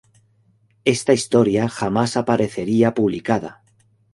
Esta historia jamás aparecería publicada.